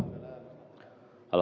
wa'alaikumsalam warahmatullah wabarakatuh